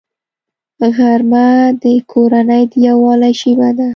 غرمه د کورنۍ د یووالي شیبه ده